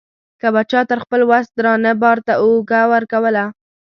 که به چا تر خپل وس درانه بار ته اوږه ورکوله.